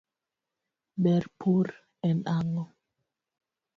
ber pur en ang'o?